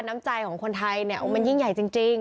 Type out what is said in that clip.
น้ำใจของคนไทยเนี่ยมันยิ่งใหญ่จริง